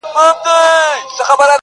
سپوږمۍ له ځانه څخه ورکه نه شې~